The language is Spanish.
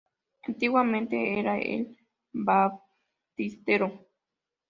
Antiguamente era el baptisterio.